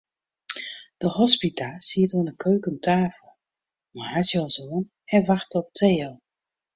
De hospita siet oan 'e keukenstafel, moarnsjas oan, en wachte op Theo.